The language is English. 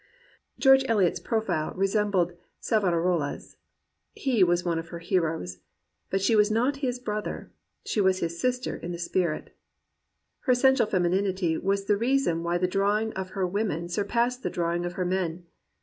'* George Ehot's profile resembled Savonarola's. He was one of her heroes. But she was not his brother. She was his sister in the spirit. Her essential femininity was the reason why the drawing of her women surpassed the drawing of her men.